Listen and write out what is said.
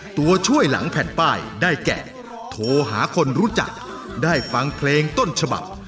ตัวช่วยหลังแผ่นป้ายได้แก่โทรหาคนรู้จักได้ฟังเพลงต้นฉบับ